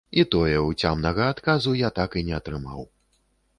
І тое ўцямнага адказу я так і не атрымаў.